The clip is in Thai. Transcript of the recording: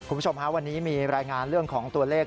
คุณผู้ชมฮะวันนี้มีรายงานเรื่องของตัวเลข